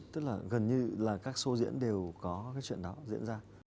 tức là gần như là các show diễn đều có cái chuyện đó diễn ra